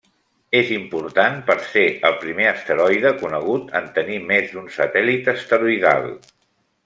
És important per ser el primer asteroide conegut en tenir més d'un satèl·lit asteroidal.